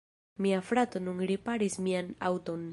Mia frato nun riparis mian aŭton.